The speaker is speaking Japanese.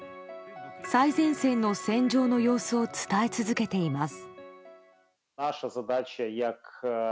最前線の戦場の様子を伝え続けています。